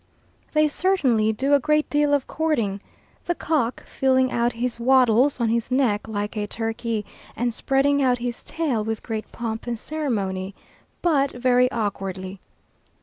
They certainly do a great deal of courting, the cock filling out his wattles on his neck like a turkey, and spreading out his tail with great pomp and ceremony, but very awkwardly.